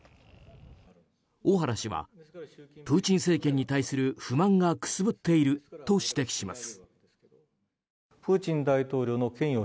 小原氏はプーチン政権に対する不満がくすぶっていると指摘します。